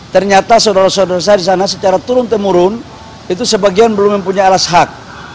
ternyata saudara saudara saya di sana secara turun temurun itu sebagian belum mempunyai alas hak